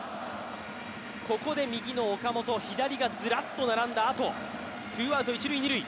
ここで右の岡本、左がずらっと並んだあと、ツーアウト、一・二塁。